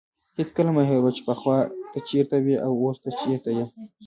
هېڅکله مه هېروه چې پخوا ته چیرته وې او اوس چیرته یې.